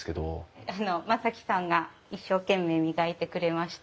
あの真己さんが一生懸命磨いてくれました。